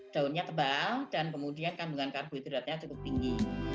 daunnya tebal dan kemudian kandungan karbohidratnya cukup tinggi